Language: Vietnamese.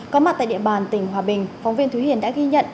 có mặt tại địa bàn tỉnh hòa bình phóng viên thúy hiền đã ghi nhận